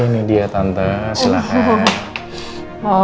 ini dia tante silahkan